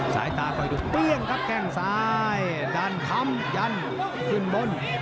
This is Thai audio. สายตาคอยดูเปรี้ยงครับแข้งซ้ายดันคำยันขึ้นบน